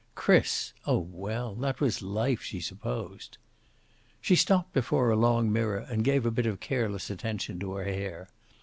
Chris! Oh, well, that was life, she supposed. She stopped before a long mirror and gave a bit of careless attention to her hair.